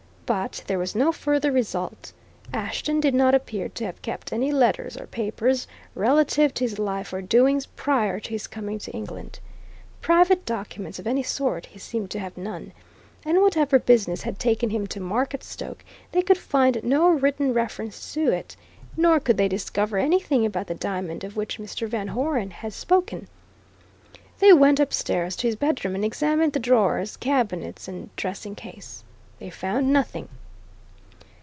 But there was no further result. Ashton did not appear to have kept any letters or papers relative to his life or doings prior to his coming to England. Private documents of any sort he seemed to have none. And whatever business had taken him to Marketstoke, they could find no written reference to it; nor could they discover anything about the diamond of which Mr. Van Hoeren had spoken. They went upstairs to his bedroom and examined the drawers, cabinets and dressing case they found nothing.